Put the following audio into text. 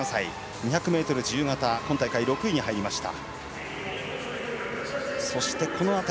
２００ｍ自由形今大会６位に入りました。